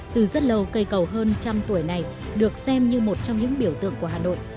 từ rất lâu cây cầu hơn trăm tuổi này được xem như một trong những biểu tượng của hà nội